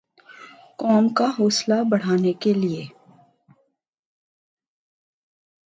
قوم کا حوصلہ بڑھانے کیلئے